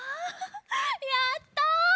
やった！